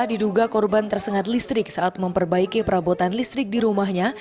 diduga korban tersengat listrik saat memperbaiki perabotan listrik di rumahnya